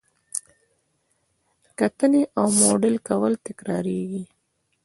کتنې او موډل کول تکراریږي.